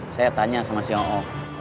saya tanya sama sio o